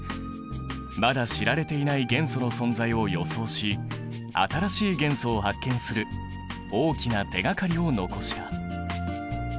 まだ知られていない元素の存在を予想し新しい元素を発見する大きな手がかりを残した。